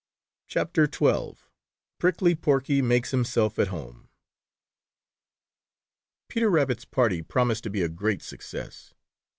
XII PRICKLY PORKY MAKES HIMSELF AT HOME Peter Rabbit's party promised to be a great success.